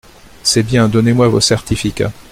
C’est bien, donnez-moi vos certificats…